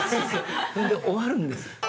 ◆で、終わるんです。